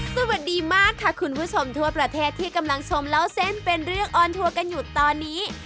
สวัสดีมากค่ะคุณผู้ชมทั่วประเทศที่กำลังชมเล่าเส้นเป็นเรื่องออนทัวร์กันอยู่ตอนนี้